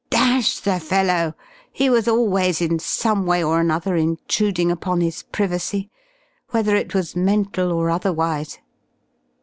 Dash the fellow! He was always, in some way or another, intruding upon his privacy, whether it was mental or otherwise.